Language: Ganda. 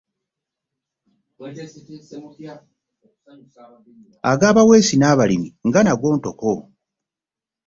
Ag’abaweesi n’abalimi nga nago ntoko.